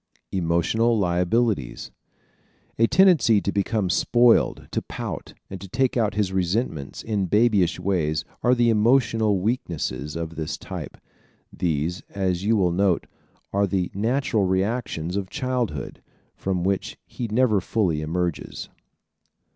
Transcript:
Emotional Liabilities ¶ A tendency to become spoiled, to pout, and to take out his resentments in babyish ways are the emotional weaknesses of this type. These, as you will note, are the natural reactions of childhood, from which he never fully emerges.